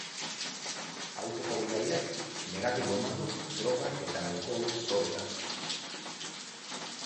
Autoko gidariak negatibo eman du droga eta alkohol probetan.